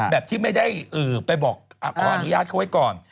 แบบที่ไม่ได้ไปบอกขออนุญาตเขาไว้ก่อน